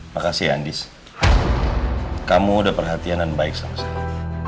makasih andis kamu udah perhatianan baik sama saya